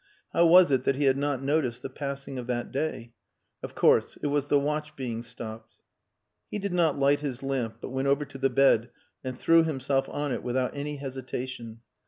How was it that he had not noticed the passing of that day? Of course, it was the watch being stopped.... He did not light his lamp, but went over to the bed and threw himself on it without any hesitation.